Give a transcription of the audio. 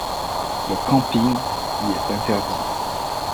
Le camping y est interdit.